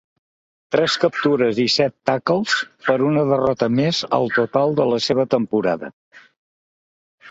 Tres captures i set tackles per una derrota més al total de la seva temporada.